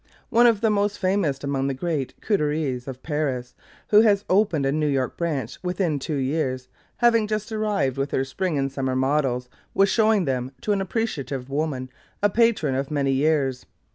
One of the most famous among the great couturières of Paris, who has opened a New York branch within two years, having just arrived with her Spring and Summer models, was showing them to an appreciative woman, a patron of many years.